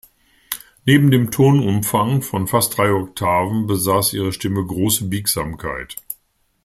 Neben dem Tonumfang von fast drei Oktaven besaß ihre Stimme große Biegsamkeit.